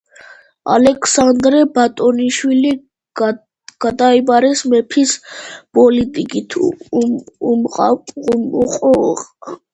ალექსანდრე ბატონიშვილი გადაიბირეს მეფის პოლიტიკით უკმაყოფილო თავადებმა.